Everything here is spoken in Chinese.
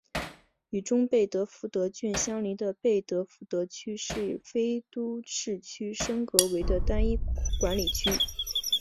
与中贝德福德郡相邻的贝德福德区由非都市区升格为单一管理区。